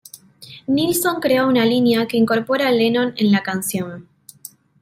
Nilsson crea una línea, que incorpora Lennon en la canción.